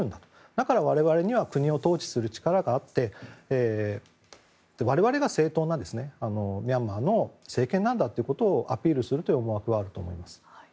だから、我々には国を統治する力があって我々がミャンマーの政権なんだということをアピールするという思惑はあると思います。